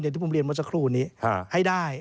อย่างที่ผมเรียนมาสักครู่นี้ให้ได้